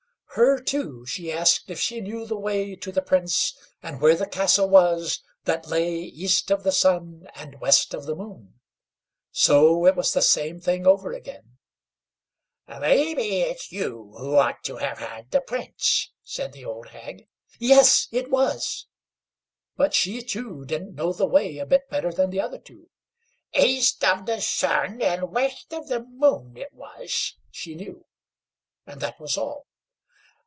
Her, too, she asked if she knew the way to the Prince, and where the castle was that lay East of the Sun and West of the Moon. So it was the same thing over again. "Maybe it's you who ought to have had the Prince?" said the old hag. Yes, it was. But she, too, didn't know the way a bit better than the other two. "East of the sun and west of the moon it was," she knew that was all.